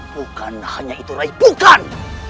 bukan hanya itu rai bukan